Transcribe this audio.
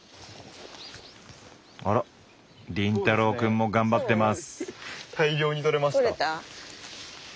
あら凛太郎くんも頑張ってます。